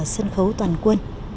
sân khấu toàn quân